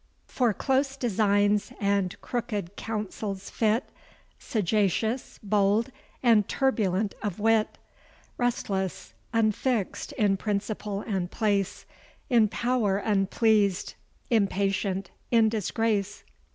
For close designs and crooked counsels fit, Sagacious, bold, and turbulent of wit, Restless, unfix'd in principle and place, In power unpleased, impatient in disgrace.